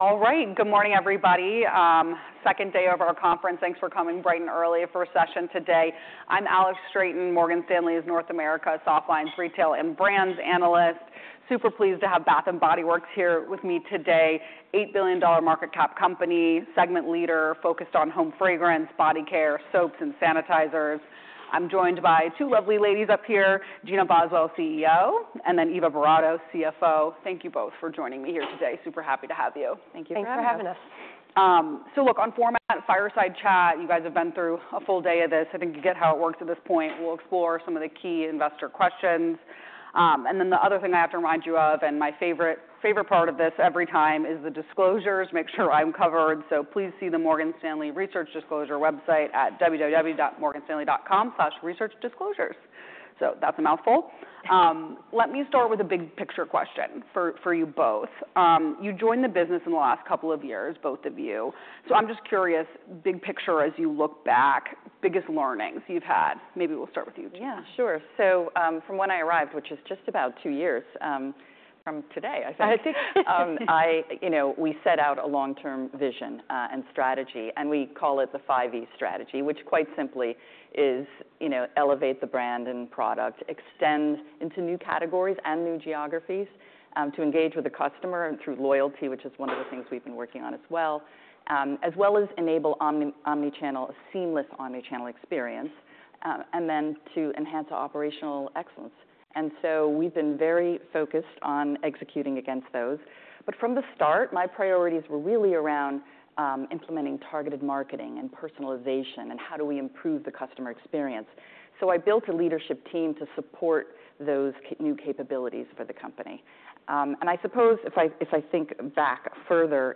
All right, good morning everybody. Second day of our conference. Thanks for coming bright and early for a session today. I'm Alex Straton, Morgan Stanley's North America Softlines Retail and Brands Analyst. Super pleased to have Bath & Body Works here with me today. $8 billion market cap company, segment leader focused on home fragrance, body care, soaps, and sanitizers. I'm joined by two lovely ladies up here, Gina Boswell, CEO, and then Eva Boratto, CFO. Thank you both for joining me here today. Super happy to have you. Thank you for having us. So, look, on format, fireside chat. You guys have been through a full day of this. I think you get how it works at this point. We'll explore some of the key investor questions. Then the other thing I have to remind you of, and my favorite part of this every time, is the disclosures. Make sure I'm covered. So please see the Morgan Stanley Research Disclosure website at www.morganstanley.com/researchdisclosures. So that's a mouthful. Let me start with a big picture question for you both. You joined the business in the last couple of years, both of you. So I'm just curious, big picture as you look back, biggest learnings you've had. Maybe we'll start with you, Gina. Yeah, sure. So from when I arrived, which is just about two years from today, I think, we set out a long-term vision and strategy. And we call it the 5E Strategy, which quite simply is elevate the brand and product, extend into new categories and new geographies to engage with the customer through loyalty, which is one of the things we've been working on as well, as well as enable omnichannel, a seamless omnichannel experience, and then to enhance operational excellence. And so we've been very focused on executing against those. But from the start, my priorities were really around implementing targeted marketing and personalization and how do we improve the customer experience? So I built a leadership team to support those new capabilities for the company. And I suppose if I think back further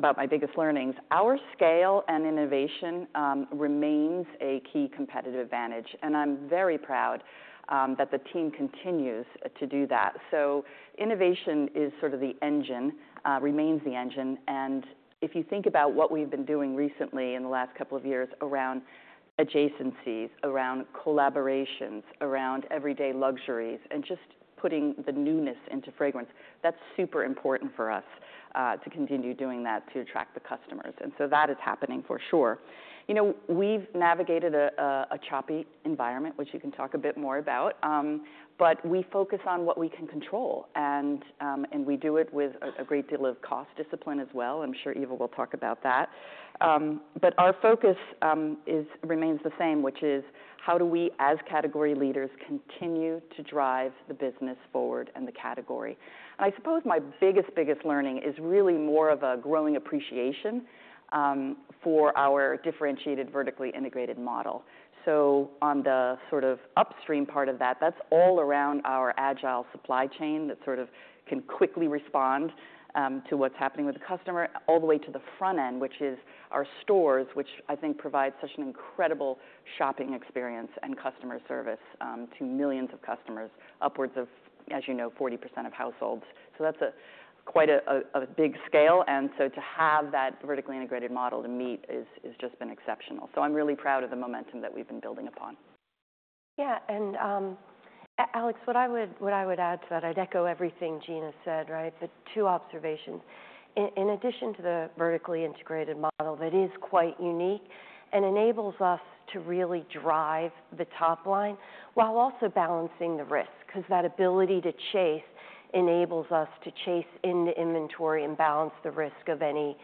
about my biggest learnings, our scale and innovation remains a key competitive advantage. I'm very proud that the team continues to do that. Innovation is sort of the engine, remains the engine. If you think about what we've been doing recently in the last couple of years around adjacencies, around collaborations, around everyday luxuries, and just putting the newness into fragrance, that's super important for us to continue doing that to attract the customers. That is happening for sure. We've navigated a choppy environment, which you can talk a bit more about. We focus on what we can control. We do it with a great deal of cost discipline as well. I'm sure Eva will talk about that. Our focus remains the same, which is how do we as category leaders continue to drive the business forward and the category. And I suppose my biggest, biggest learning is really more of a growing appreciation for our differentiated vertically integrated model. So on the sort of upstream part of that, that's all around our agile supply chain that sort of can quickly respond to what's happening with the customer, all the way to the front end, which is our stores, which I think provide such an incredible shopping experience and customer service to millions of customers, upwards of, as you know, 40% of households. So that's quite a big scale. And so to have that vertically integrated model to meet has just been exceptional. So I'm really proud of the momentum that we've been building upon. Yeah. And Alex, what I would add to that, I'd echo everything Gina said, right? But two observations. In addition to the vertically integrated model that is quite unique and enables us to really drive the top line while also balancing the risk, because that ability to chase enables us to chase into inventory and balance the risk of any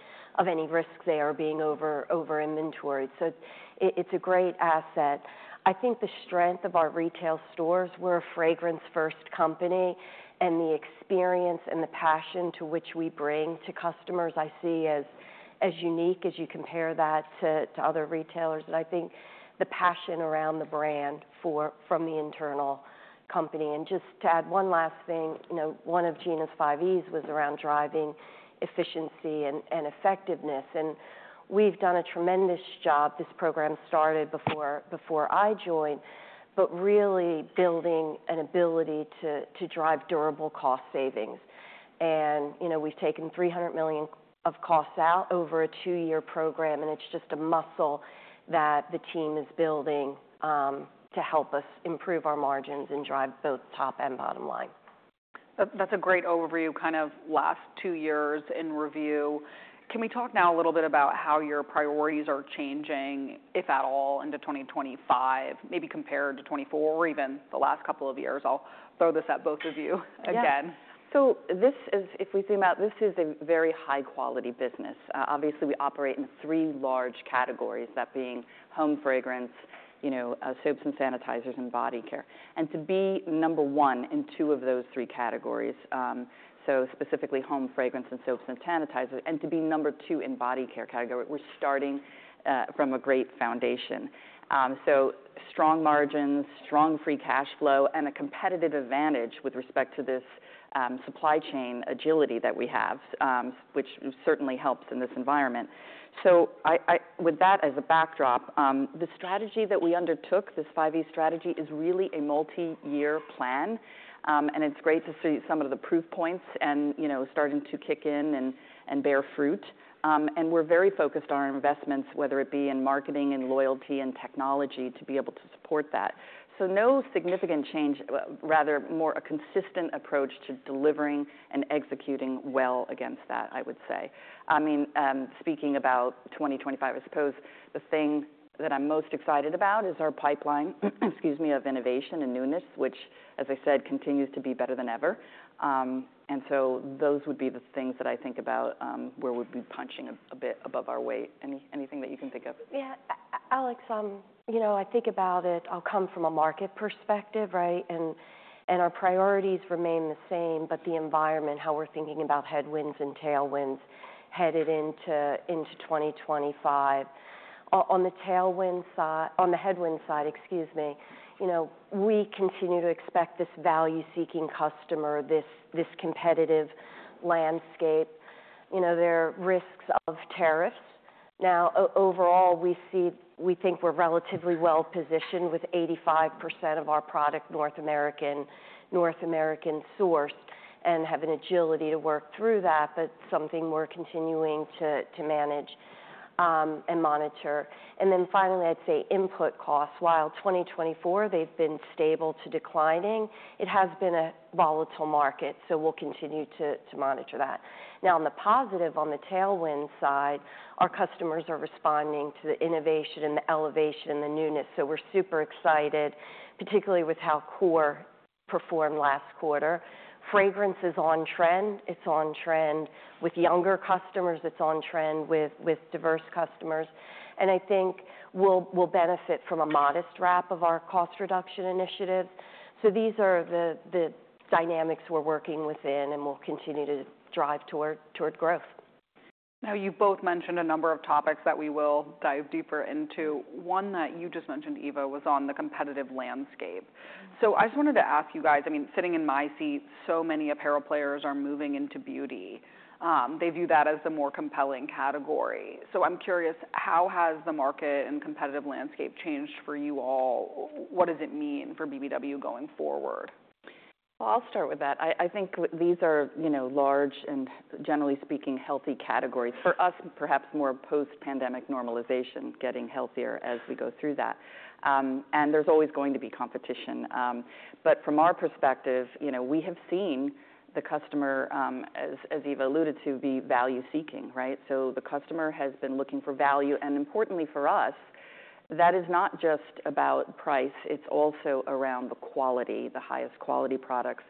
risks they are being over-inventoried. So it's a great asset. I think the strength of our retail stores. We're a fragrance-first company, and the experience and the passion to which we bring to customers I see as unique as you compare that to other retailers. And I think the passion around the brand from the internal company. And just to add one last thing, one of Gina's 5Es was around driving efficiency and effectiveness. And we've done a tremendous job. This program started before I joined, but really building an ability to drive durable cost savings. We've taken $300 million of costs out over a two-year program. It's just a muscle that the team is building to help us improve our margins and drive both top and bottom line. That's a great overview, kind of last two years in review. Can we talk now a little bit about how your priorities are changing, if at all, into 2025, maybe compared to 2024 or even the last couple of years? I'll throw this at both of you again. Yeah. So if we think about this, this is a very high-quality business. Obviously, we operate in three large categories, that being home fragrance, soaps and sanitizers, and body care. And to be number one in two of those three categories, so specifically home fragrance and soaps and sanitizers, and to be number two in body care category, we're starting from a great foundation. So strong margins, strong free cash flow, and a competitive advantage with respect to this supply chain agility that we have, which certainly helps in this environment. So with that as a backdrop, the strategy that we undertook, this 5E Strategy, is really a multi-year plan. And it's great to see some of the proof points starting to kick in and bear fruit. And we're very focused on our investments, whether it be in marketing and loyalty and technology, to be able to support that. So no significant change, rather more a consistent approach to delivering and executing well against that, I would say. I mean, speaking about 2025, I suppose the thing that I'm most excited about is our pipeline, excuse me, of innovation and newness, which, as I said, continues to be better than ever. And so those would be the things that I think about where we'd be punching a bit above our weight. Anything that you can think of? Yeah. Alex, you know I think about it, I'll come from a market perspective, right? And our priorities remain the same, but the environment, how we're thinking about headwinds and tailwinds headed into 2025. On the headwind side, excuse me, we continue to expect this value-seeking customer, this competitive landscape. There are risks of tariffs. Now, overall, we think we're relatively well positioned with 85% of our product North American sourced and have an agility to work through that, but something we're continuing to manage and monitor. And then finally, I'd say input costs. While 2024, they've been stable to declining, it has been a volatile market. So we'll continue to monitor that. Now, on the positive, on the tailwind side, our customers are responding to the innovation and the elevation and the newness. So we're super excited, particularly with how core performed last quarter. Fragrance is on trend. It's on trend with younger customers. It's on trend with diverse customers. And I think we'll benefit from a modest wrap of our cost reduction initiatives. So these are the dynamics we're working within and we'll continue to drive toward growth. Now, you both mentioned a number of topics that we will dive deeper into. One that you just mentioned, Eva, was on the competitive landscape. So I just wanted to ask you guys, I mean, sitting in my seat, so many apparel players are moving into beauty. They view that as the more compelling category. So I'm curious, how has the market and competitive landscape changed for you all? What does it mean for BBW going forward? I'll start with that. I think these are large and, generally speaking, healthy categories for us, perhaps more post-pandemic normalization, getting healthier as we go through that. There's always going to be competition. From our perspective, we have seen the customer, as Eva alluded to, be value-seeking, right? The customer has been looking for value. Importantly for us, that is not just about price. It's also around the quality, the highest quality products.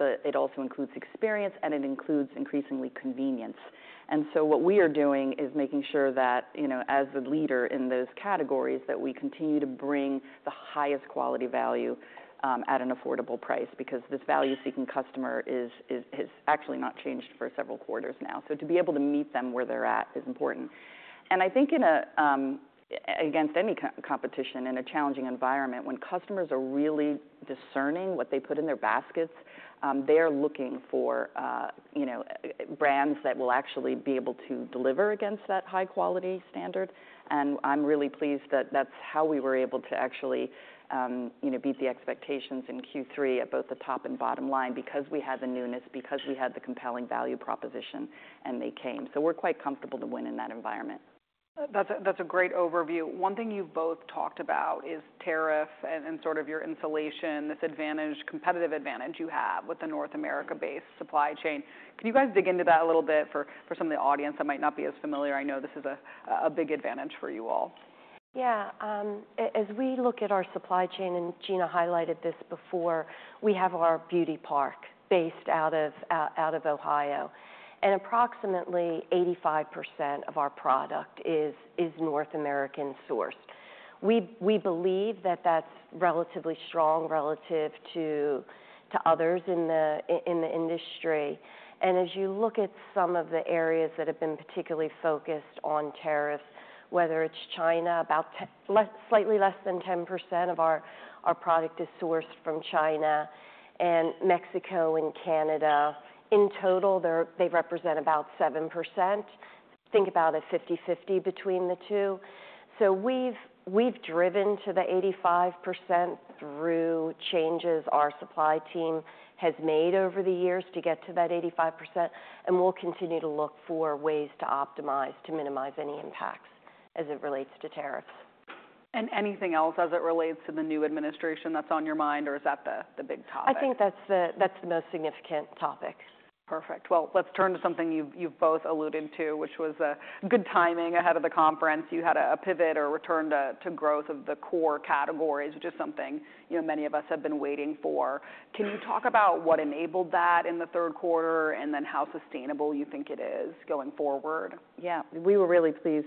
It also includes experience and it includes increasingly convenience. What we are doing is making sure that as the leader in those categories, that we continue to bring the highest quality value at an affordable price, because this value-seeking customer has actually not changed for several quarters now. To be able to meet them where they're at is important. I think against any competition in a challenging environment, when customers are really discerning what they put in their baskets, they are looking for brands that will actually be able to deliver against that high-quality standard. I'm really pleased that that's how we were able to actually beat the expectations in Q3 at both the top and bottom line because we had the newness, because we had the compelling value proposition, and they came. We're quite comfortable to win in that environment. That's a great overview. One thing you've both talked about is tariff and sort of your insulation, this competitive advantage you have with the North America-based supply chain. Can you guys dig into that a little bit for some of the audience that might not be as familiar? I know this is a big advantage for you all. Yeah. As we look at our supply chain, and Gina highlighted this before, we have our Beauty Park based out of Ohio, and approximately 85% of our product is North American sourced. We believe that that's relatively strong relative to others in the industry, and as you look at some of the areas that have been particularly focused on tariffs, whether it's China, about slightly less than 10% of our product is sourced from China and Mexico and Canada. In total, they represent about 7%. Think about a 50/50 between the two. So we've driven to the 85% through changes our supply team has made over the years to get to that 85%, and we'll continue to look for ways to optimize, to minimize any impacts as it relates to tariffs. And anything else as it relates to the new administration that's on your mind, or is that the big topic? I think that's the most significant topic. Perfect. Let's turn to something you've both alluded to, which was good timing ahead of the conference. You had a pivot or return to growth of the core categories, which is something many of us have been waiting for. Can you talk about what enabled that in the third quarter and then how sustainable you think it is going forward? Yeah. We were really pleased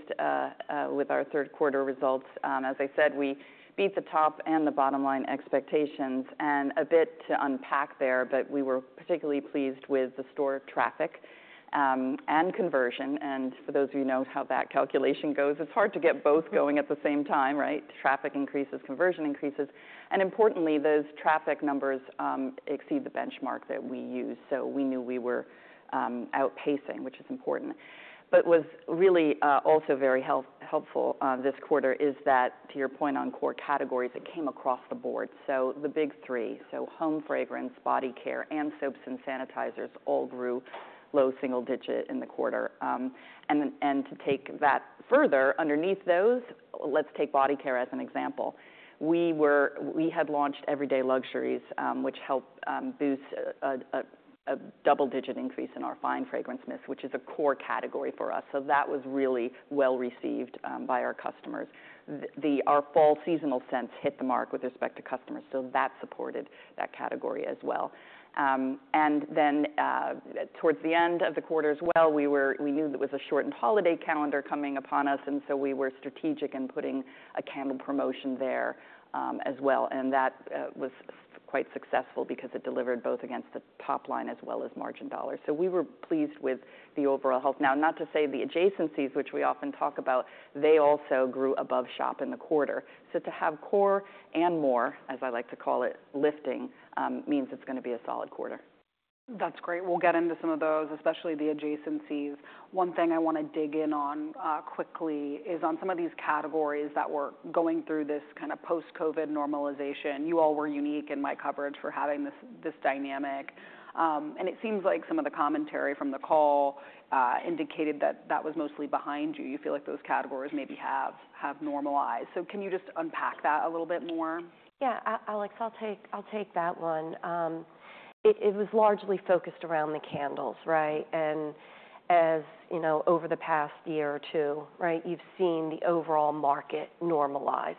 with our third quarter results. As I said, we beat the top and the bottom line expectations, and a bit to unpack there, but we were particularly pleased with the store traffic and conversion. For those of you who know how that calculation goes, it's hard to get both going at the same time, right? Traffic increases, conversion increases. Importantly, those traffic numbers exceed the benchmark that we use. We knew we were outpacing, which is important. What was really also very helpful this quarter is that, to your point on core categories, it came across the board. The big three, home fragrance, body care, and soaps and sanitizers all grew low single digit in the quarter. To take that further, underneath those, let's take body care as an example. We had launched Everyday Luxuries, which helped boost a double-digit increase in our Fine Fragrance Mist, which is a core category for us. So that was really well received by our customers. Our fall seasonal scents hit the mark with respect to customers. So that supported that category as well. And then towards the end of the quarter as well, we knew there was a shortened holiday calendar coming upon us. And so we were strategic in putting a candle promotion there as well. And that was quite successful because it delivered both against the top line as well as margin dollar. So we were pleased with the overall health. Now, not to say the adjacencies, which we often talk about, they also grew above shop in the quarter. So to have core and more, as I like to call it, lifting means it's going to be a solid quarter. That's great. We'll get into some of those, especially the adjacencies. One thing I want to dig in on quickly is on some of these categories that were going through this kind of post-COVID normalization. You all were unique in my coverage for having this dynamic. And it seems like some of the commentary from the call indicated that that was mostly behind you. You feel like those categories maybe have normalized. So can you just unpack that a little bit more? Yeah. Alex, I'll take that one. It was largely focused around the candles, right? And as over the past year or two, you've seen the overall market normalize,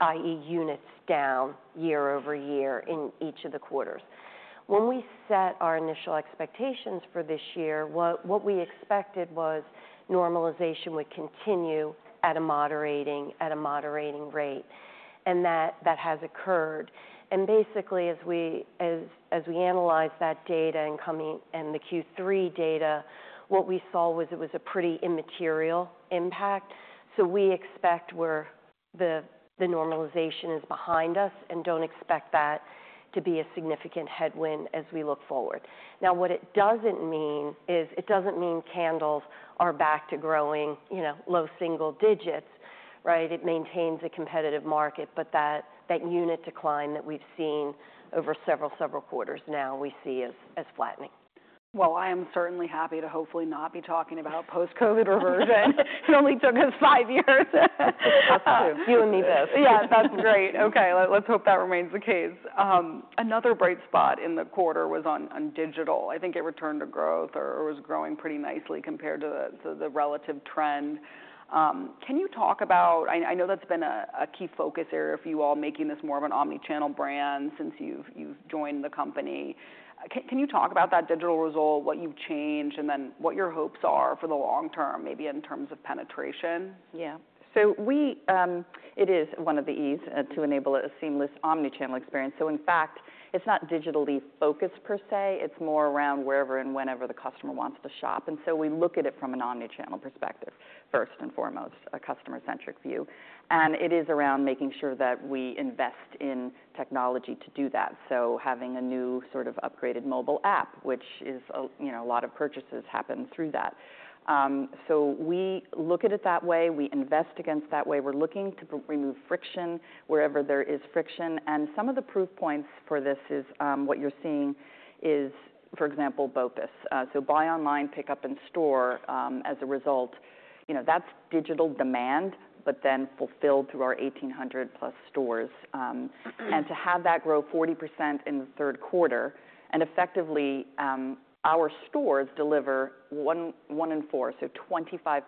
i.e., units down year-over-year in each of the quarters. When we set our initial expectations for this year, what we expected was normalization would continue at a moderating rate. And that has occurred. And basically, as we analyze that data and the Q3 data, what we saw was it was a pretty immaterial impact. So we expect the normalization is behind us and don't expect that to be a significant headwind as we look forward. Now, what it doesn't mean is it doesn't mean candles are back to growing low single digits, right? It maintains a competitive market, but that unit decline that we've seen over several quarters now we see as flattening. I am certainly happy to hopefully not be talking about post-COVID reversion. It only took us five years. That's true. You and me both. Yeah, that's great. Okay. Let's hope that remains the case. Another bright spot in the quarter was on digital. I think it returned to growth or was growing pretty nicely compared to the relative trend. Can you talk about, I know that's been a key focus area for you all, making this more of an omnichannel brand since you've joined the company. Can you talk about that digital result, what you've changed, and then what your hopes are for the long term, maybe in terms of penetration? Yeah. So it is one of the E's to enable a seamless omnichannel experience. So in fact, it's not digitally focused per se. It's more around wherever and whenever the customer wants to shop. And so we look at it from an omnichannel perspective first and foremost, a customer-centric view. And it is around making sure that we invest in technology to do that. So having a new sort of upgraded mobile app, which a lot of purchases happen through that. So we look at it that way. We invest against that way. We're looking to remove friction wherever there is friction. And some of the proof points for this is what you're seeing is, for example, BOPUS. So buy online, pick up in store as a result. That's digital demand, but then fulfilled through our 1,800+ stores. And to have that grow 40% in the third quarter. Effectively, our stores deliver one in four, so 25%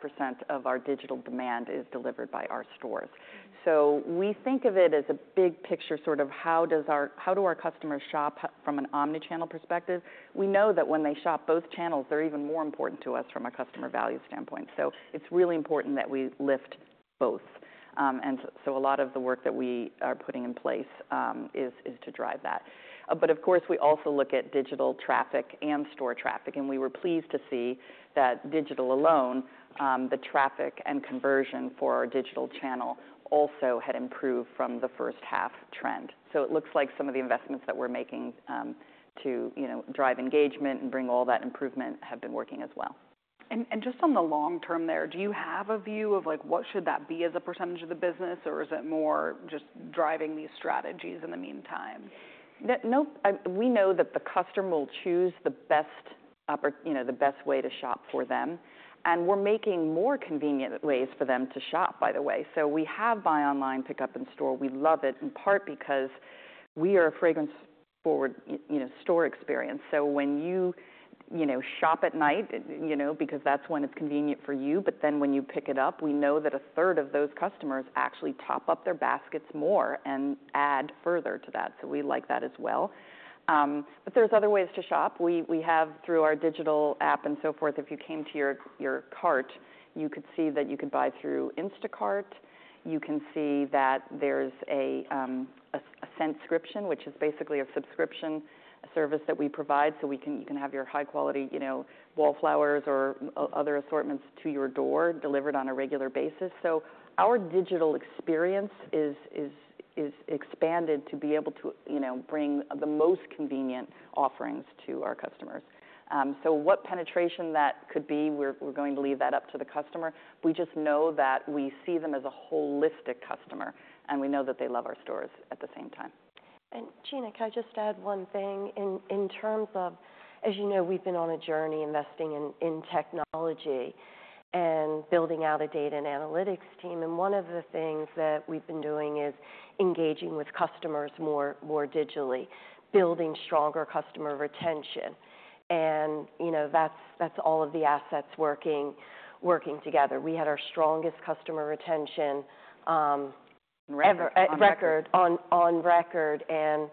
of our digital demand is delivered by our stores. So we think of it as a big picture sort of how do our customers shop from an omnichannel perspective. We know that when they shop both channels, they're even more important to us from a customer value standpoint. So it's really important that we lift both. And so a lot of the work that we are putting in place is to drive that. But of course, we also look at digital traffic and store traffic. And we were pleased to see that digital alone, the traffic and conversion for our digital channel also had improved from the first half trend. So it looks like some of the investments that we're making to drive engagement and bring all that improvement have been working as well. Just on the long term there, do you have a view of what should that be as a percentage of the business, or is it more just driving these strategies in the meantime? Nope. We know that the customer will choose the best way to shop for them, and we're making more convenient ways for them to shop, by the way, so we have buy online, pick up in store. We love it in part because we are a fragrance store experience, so when you shop at night, because that's when it's convenient for you, but then when you pick it up, we know that a third of those customers actually top up their baskets more and add further to that, so we like that as well, but there's other ways to shop. We have, through our digital app and so forth, if you came to your cart, you could see that you could buy through Instacart. You can see that there's a Scent-Scription, which is basically a subscription service that we provide. You can have your high-quality Wallflowers or other assortments to your door delivered on a regular basis. Our digital experience is expanded to be able to bring the most convenient offerings to our customers. What penetration that could be, we're going to leave that up to the customer. We just know that we see them as a holistic customer, and we know that they love our stores at the same time. And Gina, can I just add one thing? In terms of, as you know, we've been on a journey investing in technology and building out a data and analytics team. And one of the things that we've been doing is engaging with customers more digitally, building stronger customer retention. And that's all of the assets working together. We had our strongest customer retention. On record. On record. And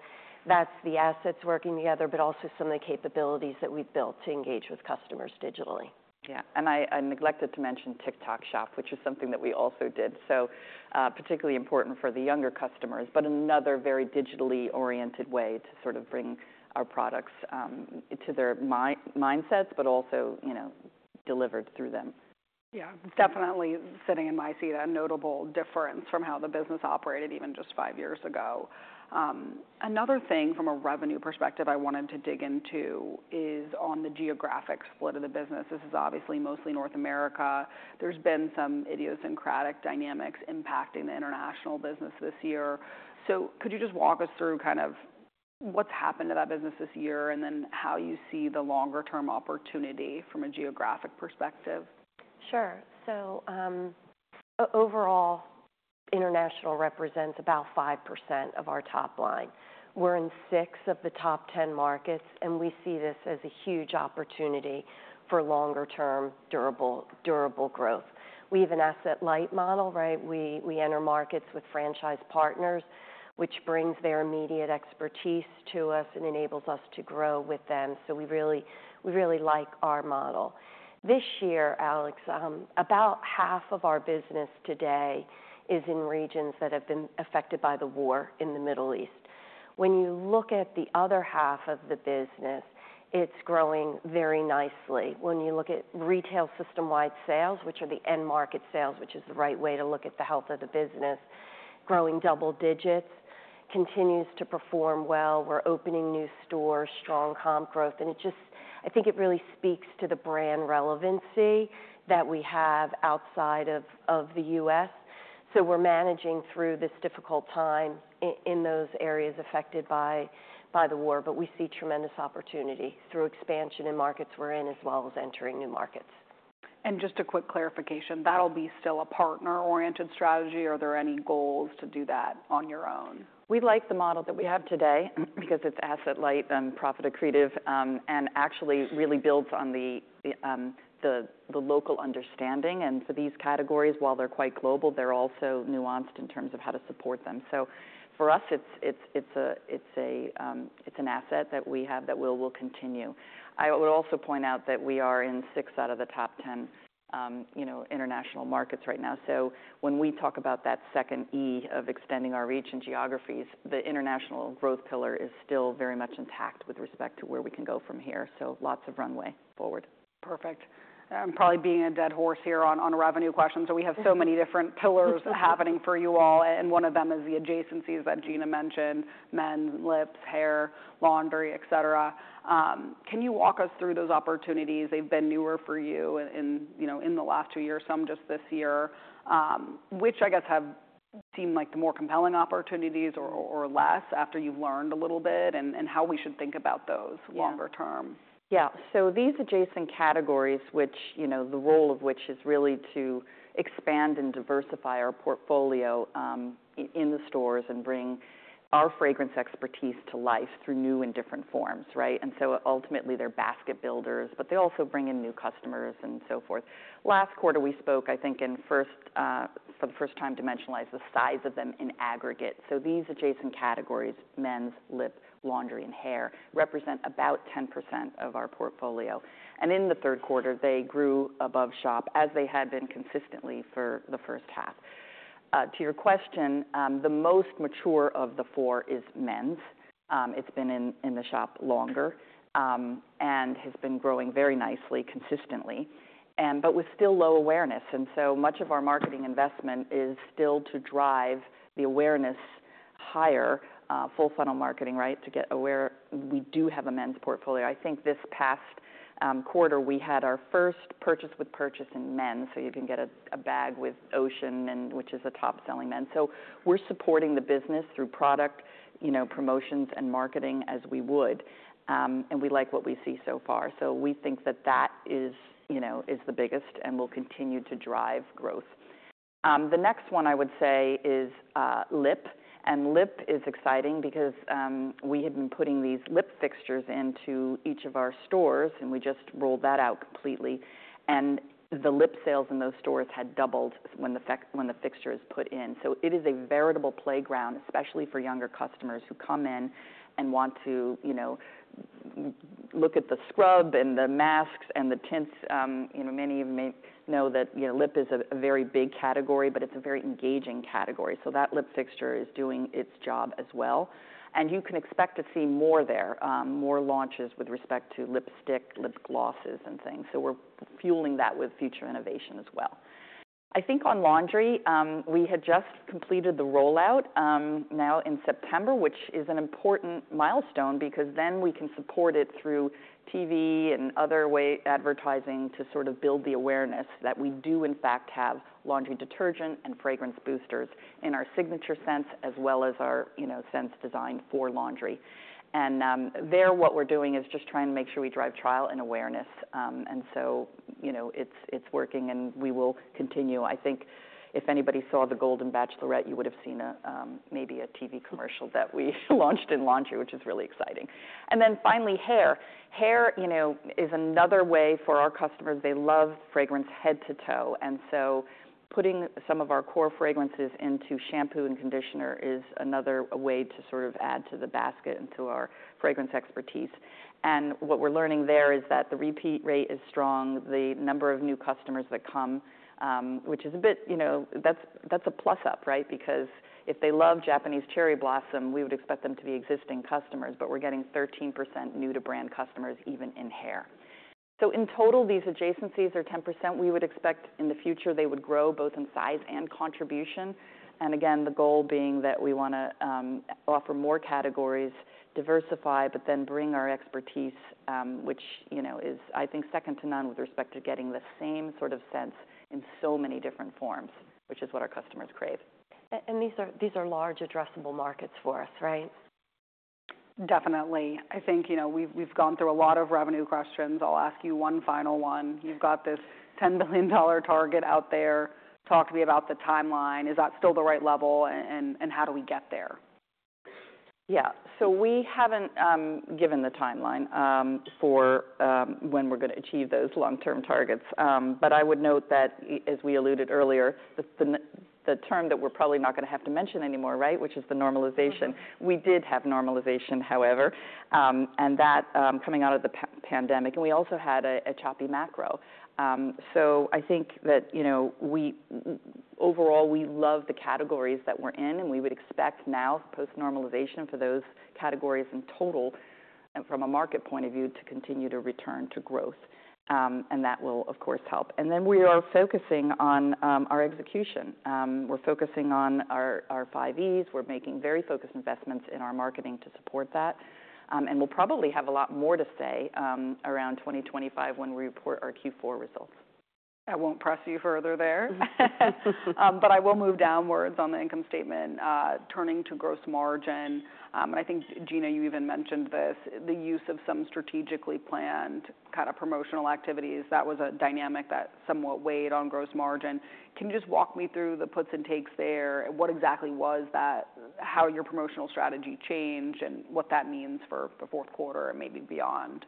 that's the assets working together, but also some of the capabilities that we've built to engage with customers digitally. Yeah, and I neglected to mention TikTok Shop, which is something that we also did, so particularly important for the younger customers, but another very digitally oriented way to sort of bring our products to their mindsets, but also delivered through them. Yeah. Definitely sitting in my seat, a notable difference from how the business operated even just five years ago. Another thing from a revenue perspective I wanted to dig into is on the geographic split of the business. This is obviously mostly North America. There's been some idiosyncratic dynamics impacting the international business this year. So could you just walk us through kind of what's happened to that business this year and then how you see the longer-term opportunity from a geographic perspective? Sure. So overall, international represents about 5% of our top line. We're in six of the top 10 markets, and we see this as a huge opportunity for longer-term durable growth. We have an asset light model, right? We enter markets with franchise partners, which brings their immediate expertise to us and enables us to grow with them. So we really like our model. This year, Alex, about half of our business today is in regions that have been affected by the war in the Middle East. When you look at the other half of the business, it's growing very nicely. When you look at retail system-wide sales, which are the end market sales, which is the right way to look at the health of the business, growing double digits, continues to perform well. We're opening new stores, strong comp growth. And I think it really speaks to the brand relevancy that we have outside of the U.S. So we're managing through this difficult time in those areas affected by the war, but we see tremendous opportunity through expansion in markets we're in as well as entering new markets. Just a quick clarification, that'll be still a partner-oriented strategy, or are there any goals to do that on your own? We like the model that we have today because it's asset light and profit accretive and actually really builds on the local understanding, and for these categories, while they're quite global, they're also nuanced in terms of how to support them. So for us, it's an asset that we have that will continue. I would also point out that we are in six out of the top 10 international markets right now, so when we talk about that second E of extending our reach and geographies, the international growth pillar is still very much intact with respect to where we can go from here, so lots of runway forward. Perfect. I'm probably beating a dead horse here on revenue questions. So we have so many different pillars happening for you all. And one of them is the adjacencies that Gina mentioned, men's, lips, hair, laundry, et cetera. Can you walk us through those opportunities? They've been newer for you in the last two years, some just this year, which I guess have seemed like the more compelling opportunities or less after you've learned a little bit, and how we should think about those longer term? Yeah. So these adjacent categories, which the role of which is really to expand and diversify our portfolio in the stores and bring our fragrance expertise to life through new and different forms, right? And so ultimately, they're basket builders, but they also bring in new customers and so forth. Last quarter, we spoke, I think, for the first time to mention the size of them in aggregate. So these adjacent categories, men's, lip, laundry, and hair, represent about 10% of our portfolio. And in the third quarter, they grew above shop as they had been consistently for the first half. To your question, the most mature of the four is men's. It's been in the shop longer and has been growing very nicely consistently, but with still low awareness. So much of our marketing investment is still to drive the awareness higher, full funnel marketing, right, to get aware. We do have a men's portfolio. I think this past quarter, we had our first purchase with purchase in men's. You can get a bag with Ocean, which is a top-selling men's. We're supporting the business through product promotions and marketing as we would. We like what we see so far. We think that that is the biggest and will continue to drive growth. The next one I would say is lip. Lip is exciting because we had been putting these lip fixtures into each of our stores, and we just rolled that out completely. The lip sales in those stores had doubled when the fixtures put in. So it is a veritable playground, especially for younger customers who come in and want to look at the scrub and the masks and the tints. Many of you may know that lip is a very big category, but it's a very engaging category, so that lip fixture is doing its job as well, and you can expect to see more there, more launches with respect to lipstick, lip glosses, and things, so we're fueling that with future innovation as well. I think on laundry, we had just completed the rollout now in September, which is an important milestone because then we can support it through TV and other way advertising to sort of build the awareness that we do in fact have laundry detergent and fragrance boosters in our signature scents as well as our scents designed for laundry. There, what we're doing is just trying to make sure we drive trial and awareness. So it's working, and we will continue. I think if anybody saw the Golden Bachelorette, you would have seen maybe a TV commercial that we launched in laundry, which is really exciting. Then finally, hair. Hair is another way for our customers. They love fragrance head to toe. So putting some of our core fragrances into shampoo and conditioner is another way to sort of add to the basket and to our fragrance expertise. What we're learning there is that the repeat rate is strong, the number of new customers that come, which is a bit, that's a plus up, right? Because if they love Japanese Cherry Blossom, we would expect them to be existing customers, but we're getting 13% new-to-brand customers even in hair. So in total, these adjacencies are 10%. We would expect in the future they would grow both in size and contribution. And again, the goal being that we want to offer more categories, diversify, but then bring our expertise, which is, I think, second to none with respect to getting the same sort of sense in so many different forms, which is what our customers crave. These are large addressable markets for us, right? Definitely. I think we've gone through a lot of revenue questions. I'll ask you one final one. You've got this $10 billion target out there. Talk to me about the timeline. Is that still the right level, and how do we get there? Yeah. So we haven't given the timeline for when we're going to achieve those long-term targets. But I would note that, as we alluded earlier, the term that we're probably not going to have to mention anymore, right, which is the normalization. We did have normalization, however, and that coming out of the pandemic. And we also had a choppy macro. So I think that overall, we love the categories that we're in, and we would expect now post-normalization for those categories in total from a market point of view to continue to return to growth. And that will, of course, help. And then we are focusing on our execution. We're focusing on our 5Es. We're making very focused investments in our marketing to support that. And we'll probably have a lot more to say around 2025 when we report our Q4 results. I won't press you further there, but I will move downwards on the income statement, turning to gross margin, and I think, Gina, you even mentioned this, the use of some strategically planned kind of promotional activities. That was a dynamic that somewhat weighed on gross margin. Can you just walk me through the puts and takes there? What exactly was that? How your promotional strategy changed and what that means for the fourth quarter and maybe beyond?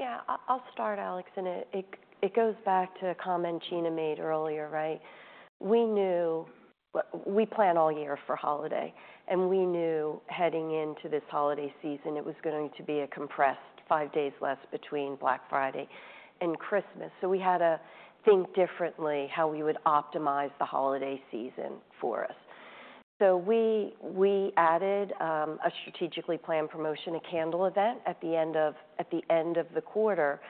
Yeah. I'll start, Alex. And it goes back to a comment Gina made earlier, right? We knew we plan all year for holiday, and we knew heading into this holiday season, it was going to be a compressed five days less between Black Friday and Christmas. So we had to think differently how we would optimize the holiday season for us. So we added a strategically planned promotion, a candle event at the end of the quarter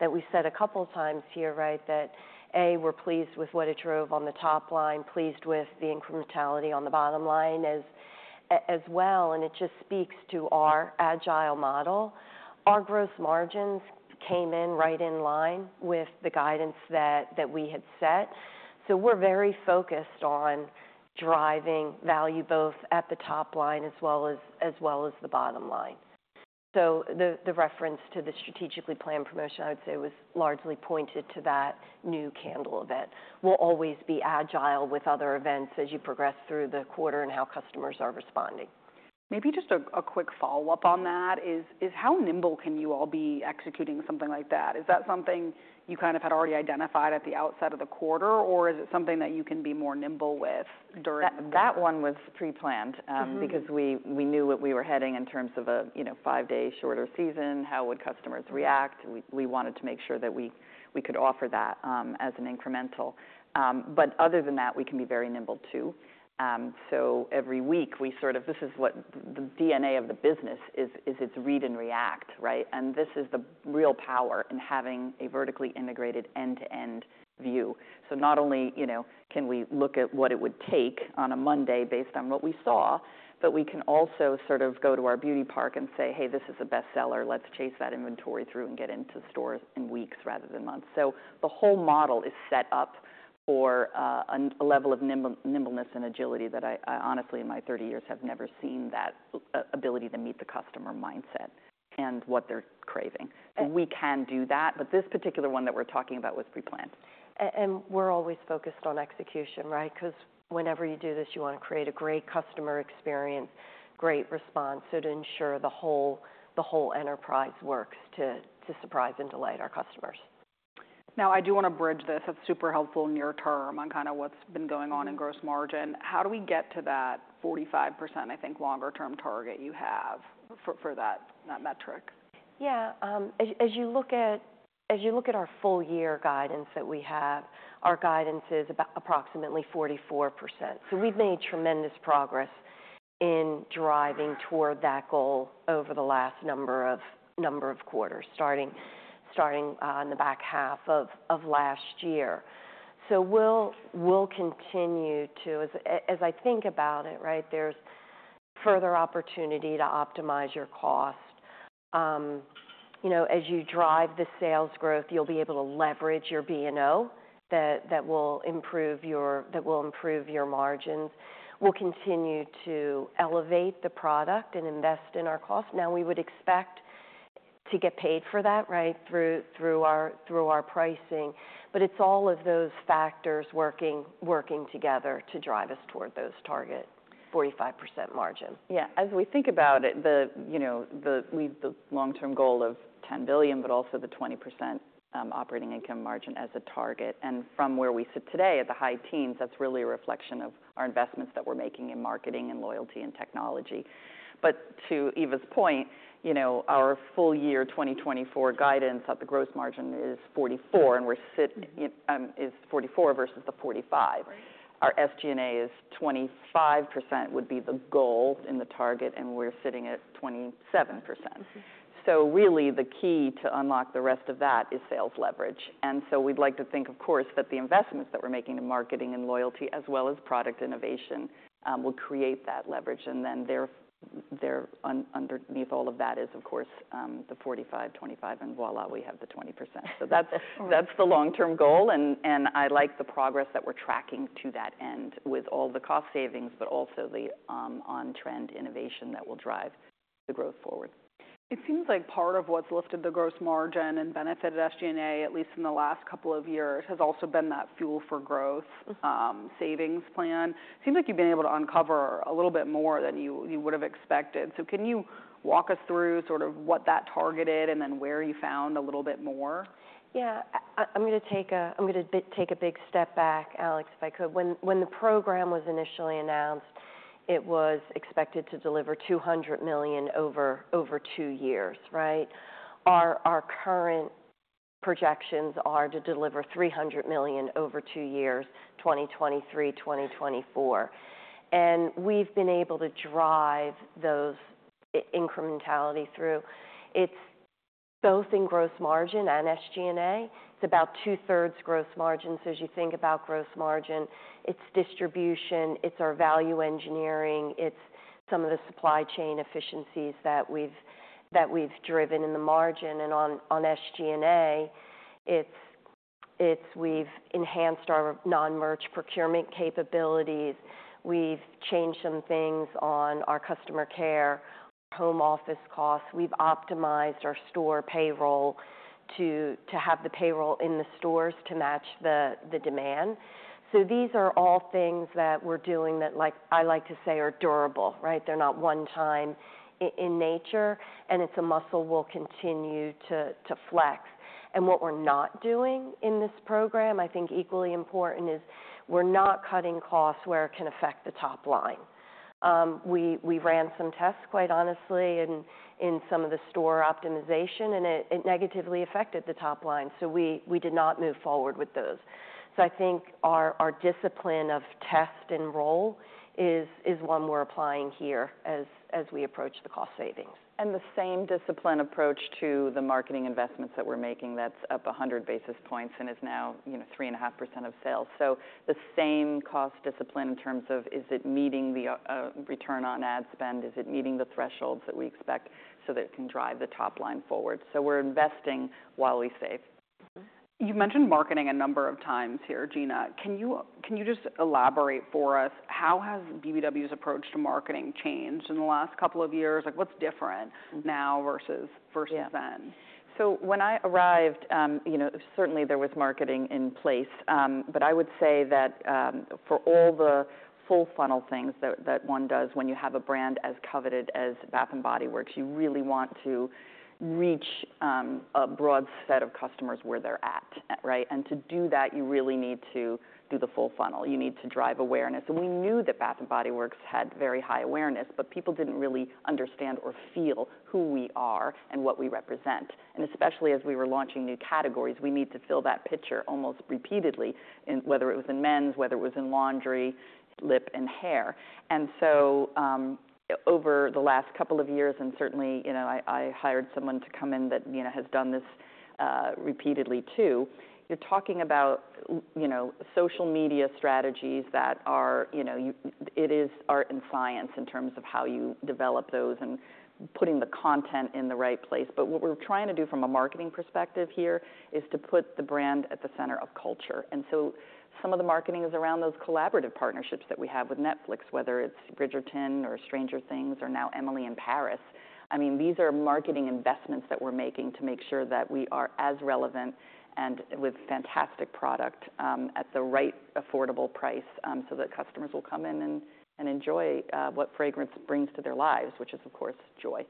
that we said a couple of times here, right, that A, we're pleased with what it drove on the top line, pleased with the incrementality on the bottom line as well. And it just speaks to our agile model. Our gross margins came in right in line with the guidance that we had set. So we're very focused on driving value both at the top line as well as the bottom line. So the reference to the strategically planned promotion, I would say, was largely pointed to that new candle event. We'll always be agile with other events as you progress through the quarter and how customers are responding. Maybe just a quick follow-up on that is how nimble can you all be executing something like that? Is that something you kind of had already identified at the outset of the quarter, or is it something that you can be more nimble with during the? That one was pre-planned because we knew what we were heading in terms of a five-day shorter season, how would customers react. We wanted to make sure that we could offer that as an incremental. But other than that, we can be very nimble too. So every week, we sort of, this is what the DNA of the business is, is it's read and react, right? And this is the real power in having a vertically integrated end-to-end view. So not only can we look at what it would take on a Monday based on what we saw, but we can also sort of go to our Beauty Park and say, "Hey, this is a bestseller. Let's chase that inventory through and get into the store in weeks rather than months." So the whole model is set up for a level of nimbleness and agility that I honestly, in my 30 years, have never seen that ability to meet the customer mindset and what they're craving. And we can do that, but this particular one that we're talking about was pre-planned. We're always focused on execution, right? Because whenever you do this, you want to create a great customer experience, great response to ensure the whole enterprise works to surprise and delight our customers. Now, I do want to bridge this. That's super helpful in your turn on kind of what's been going on in gross margin. How do we get to that 45%, I think, longer-term target you have for that metric? Yeah. As you look at our full-year guidance that we have, our guidance is approximately 44%. So we've made tremendous progress in driving toward that goal over the last number of quarters, starting in the back half of last year. So we'll continue to, as I think about it, right, there's further opportunity to optimize your cost. As you drive the sales growth, you'll be able to leverage your B&O that will improve your margins. We'll continue to elevate the product and invest in our cost. Now, we would expect to get paid for that, right, through our pricing. But it's all of those factors working together to drive us toward those target 45% margin. Yeah. As we think about it, we have the long-term goal of $10 billion, but also the 20% operating income margin as a target. And from where we sit today at the high teens, that's really a reflection of our investments that we're making in marketing and loyalty and technology. But to Eva's point, our full-year 2024 guidance at the gross margin is 44%, and we're sitting at 44% versus the 45%. Our SG&A is 25% would be the goal in the target, and we're sitting at 27%. So really, the key to unlock the rest of that is sales leverage. And so we'd like to think, of course, that the investments that we're making in marketing and loyalty as well as product innovation will create that leverage. And then underneath all of that is, of course, the 45%, 25%, and voilà, we have the 20%. So that's the long-term goal. And I like the progress that we're tracking to that end with all the cost savings, but also the on-trend innovation that will drive the growth forward. It seems like part of what's lifted the gross margin and benefited SG&A, at least in the last couple of years, has also been that Fuel for Growth savings plan. It seems like you've been able to uncover a little bit more than you would have expected. So can you walk us through sort of what that targeted and then where you found a little bit more? Yeah. I'm going to take a big step back, Alex, if I could. When the program was initially announced, it was expected to deliver $200 million over two years, right? Our current projections are to deliver $300 million over two years, 2023, 2024. And we've been able to drive those incrementality through. It's both in gross margin and SG&A. It's about 2/3 gross margin. So as you think about gross margin, it's distribution, it's our value engineering, it's some of the supply chain efficiencies that we've driven in the margin. And on SG&A, we've enhanced our non-merch procurement capabilities. We've changed some things on our customer care, our home office costs. We've optimized our store payroll to have the payroll in the stores to match the demand. So these are all things that we're doing that, like I like to say, are durable, right? They're not one-time in nature, and it's a muscle we'll continue to flex. And what we're not doing in this program, I think equally important, is we're not cutting costs where it can affect the top line. We ran some tests, quite honestly, in some of the store optimization, and it negatively affected the top line. So we did not move forward with those. So I think our discipline of test and roll is one we're applying here as we approach the cost savings. And the same discipline approach to the marketing investments that we're making that's up 100 basis points and is now 3.5% of sales. So the same cost discipline in terms of, is it meeting the return on ad spend. Is it meeting the thresholds that we expect so that it can drive the top line forward. So we're investing while we save. You've mentioned marketing a number of times here, Gina. Can you just elaborate for us? How has BBW's approach to marketing changed in the last couple of years? What's different now versus then? When I arrived, certainly there was marketing in place, but I would say that for all the full funnel things that one does when you have a brand as coveted as Bath & Body Works, you really want to reach a broad set of customers where they're at, right? To do that, you really need to do the full funnel. You need to drive awareness. We knew that Bath & Body Works had very high awareness, but people didn't really understand or feel who we are and what we represent. Especially as we were launching new categories, we need to fill that picture almost repeatedly, whether it was in men's, whether it was in laundry, lip, and hair. And so, over the last couple of years, and certainly I hired someone to come in that has done this repeatedly too, you're talking about social media strategies that are art and science in terms of how you develop those and putting the content in the right place. But what we're trying to do from a marketing perspective here is to put the brand at the center of culture. And so some of the marketing is around those collaborative partnerships that we have with Netflix, whether it's Bridgerton or Stranger Things or now Emily in Paris. I mean, these are marketing investments that we're making to make sure that we are as relevant and with fantastic product at the right affordable price so that customers will come in and enjoy what fragrance brings to their lives, which is, of course, joy.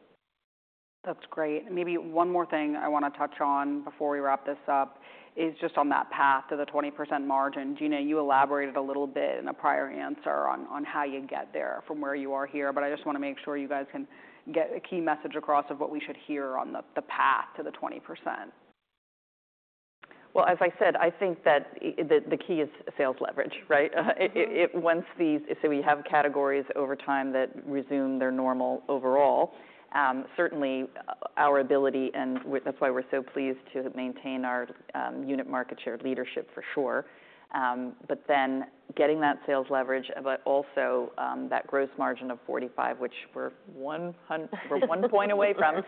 That's great. Maybe one more thing I want to touch on before we wrap this up is just on that path to the 20% margin. Gina, you elaborated a little bit in a prior answer on how you get there from where you are here, but I just want to make sure you guys can get a key message across of what we should hear on the path to the 20%. As I said, I think that the key is sales leverage, right? So we have categories over time that resume their normal overall. Certainly, our ability, and that's why we're so pleased to maintain our unit market share leadership for sure. But then getting that sales leverage, but also that gross margin of 45%, which we're one point away from,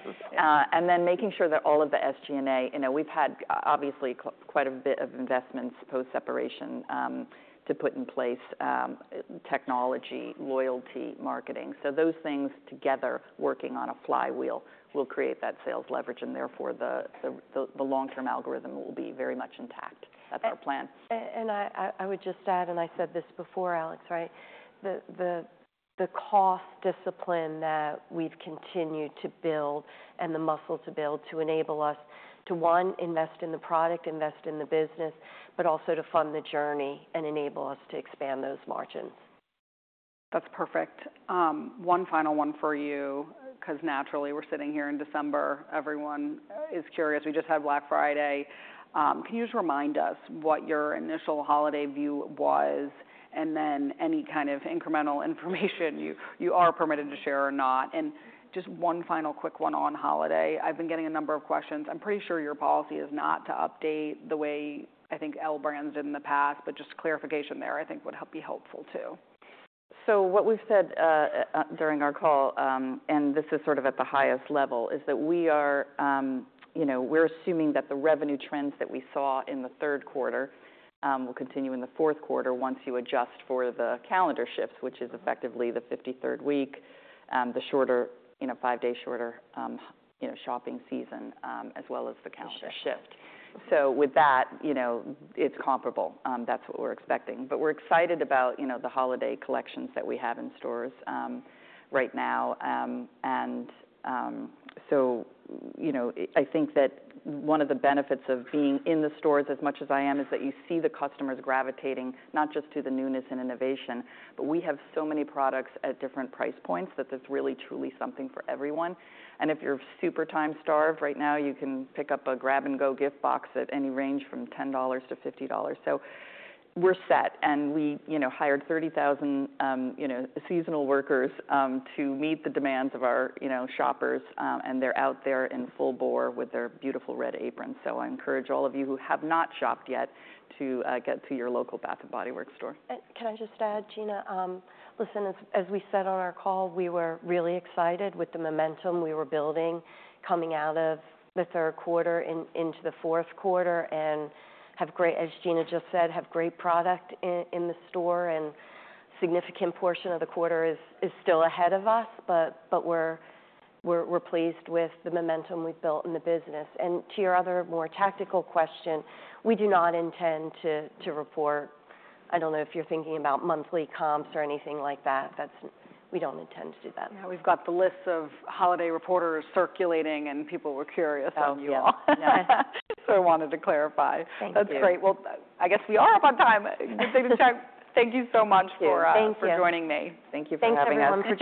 and then making sure that all of the SG&A, we've had obviously quite a bit of investments post-separation to put in place, technology, loyalty, marketing. So those things together, working on a flywheel, will create that sales leverage, and therefore the long-term algorithm will be very much intact. That's our plan. I would just add, and I said this before, Alex, right? The cost discipline that we've continued to build and the muscle to build to enable us to, one, invest in the product, invest in the business, but also to fund the journey and enable us to expand those margins. That's perfect. One final one for you, because naturally we're sitting here in December, everyone is curious. We just had Black Friday. Can you just remind us what your initial holiday view was, and then any kind of incremental information you are permitted to share or not? And just one final quick one on holiday. I've been getting a number of questions. I'm pretty sure your policy is not to update the way I think L Brands did in the past, but just clarification there I think would be helpful too. What we've said during our call, and this is sort of at the highest level, is that we're assuming that the revenue trends that we saw in the third quarter will continue in the fourth quarter once you adjust for the calendar shifts, which is effectively the 53rd week, the five-day shorter shopping season, as well as the calendar shift. With that, it's comparable. That's what we're expecting. We're excited about the holiday collections that we have in stores right now. I think that one of the benefits of being in the stores as much as I am is that you see the customers gravitating not just to the newness and innovation, but we have so many products at different price points that there's really, truly something for everyone. If you're super time-starved right now, you can pick up a grab-and-go gift box at any range from $10-$50. We're set. We hired 30,000 seasonal workers to meet the demands of our shoppers, and they're out there in full bore with their beautiful red aprons. I encourage all of you who have not shopped yet to get to your local Bath & Body Works store. Can I just add, Gina? Listen, as we said on our call, we were really excited with the momentum we were building coming out of the third quarter into the fourth quarter and, as Gina just said, have great product in the store, and a significant portion of the quarter is still ahead of us, but we're pleased with the momentum we've built in the business, and to your other more tactical question, we do not intend to report. I don't know if you're thinking about monthly comps or anything like that. We don't intend to do that. Yeah. We've got the lists of holiday reporters circulating, and people were curious on you all. So I wanted to clarify. Thank you. That's great. Well, I guess we are up on time. Thank you so much for joining me. Thank you for having us.